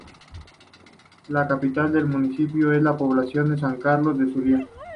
La capital del municipio es la población de San Carlos del Zulia.